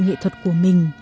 nghệ thuật của mình